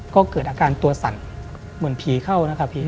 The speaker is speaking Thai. ก็เกิดอาการตัวสั่นเหมือนผีเข้า